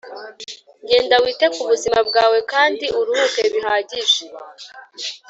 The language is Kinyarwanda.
jyenda wite ku buzima bwawe kandi uruhuke bihagije